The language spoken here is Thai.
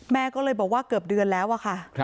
แม่ก็เลยบอกว่าเกือบเดือนแล้วอะค่ะ